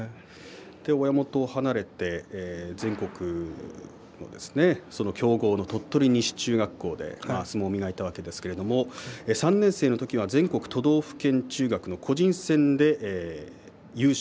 親元を離れて全国の強豪の鳥取西中学校で相撲を磨いたわけですが３年生の時には全国都道府県中学の個人戦で優勝。